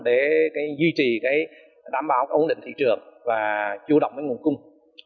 để duy trì cái đảm bảo ổn định thị trường và chủ động cái nguồn cung